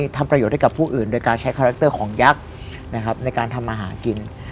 ก็ทำประโยชน์ได้กับผู้อื่นด้วยการใช้คาแรคเตอร์ของยักษ์ในการทำอาหากิน